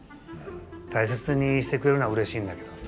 大切にしてくれるのはうれしいんだけどさ